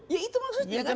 ya itu maksudnya kan